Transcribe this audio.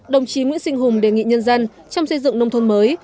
đồng chí nguyễn sinh hùng đề nghị nhân dân trong xây dựng nông thôn mới